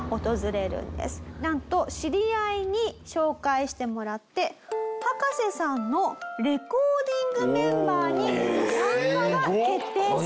なんと知り合いに紹介してもらって葉加瀬さんのレコーディングメンバーに参加が決定します。